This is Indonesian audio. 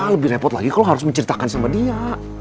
lebih repot lagi kalau harus menceritakan sama dia